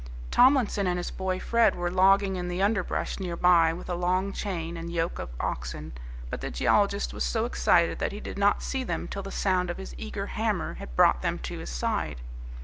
Tomlinson and his boy Fred were logging in the underbrush near by with a long chain and yoke of oxen, but the geologist was so excited that he did not see them till the sound of his eager hammer had brought them to his side.